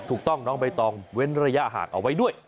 ถูกต้องน้องใบตองเว้นระยะห่างเอาไว้ด้วย